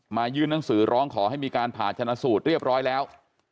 ยื่นหนังสือร้องขอให้มีการผ่าชนะสูตรเรียบร้อยแล้ว